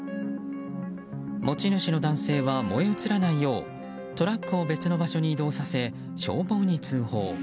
持ち主の男性は燃え移らないようトラックを別の場所に移動させ消防に通報。